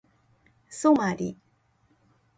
ソマリ